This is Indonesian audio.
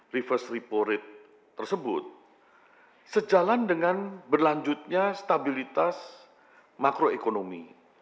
reverse repo rate tersebut sejalan dengan berlanjutnya stabilitas makroekonomi